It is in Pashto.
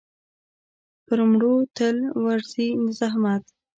پر مړو تل ورځي زحمت.